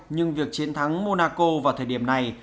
nhưng việc chiến thắng monaco vào thời điểm này